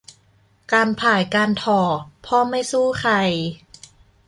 การพายการถ่อ พ่อไม่สู้ใคร